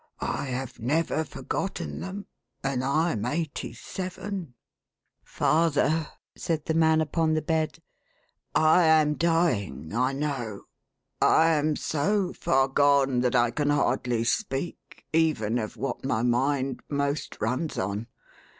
I have never forgotten them, and I'm eighty seven !" "Father!" said the man upon the bed, "I am dying, I know. I am so far gone, that I can hardly speak, even of what my mind most runs on.